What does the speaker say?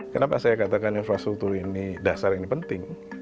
kenapa saya katakan infrastruktur ini dasar ini penting